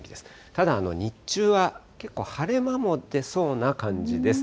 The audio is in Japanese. ただ日中は結構晴れ間も出そうな感じです。